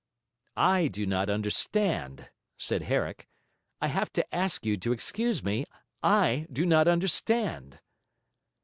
'I do not understand,' said Herrick. 'I have to ask you to excuse me; I do not understand.'